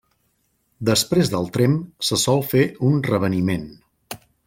Després del tremp se sol fer un reveniment.